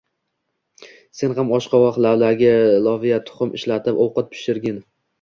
Sen ham oshqovoq, lavlagi, loviya, tuxum ishlatib ovqat pishirgin